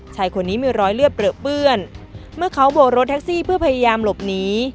ชายคนนี้มีรอยเลือดเปลือเปื้อนเมื่อเขาโบกรถแท็กซี่เพื่อพยายามหลบหนี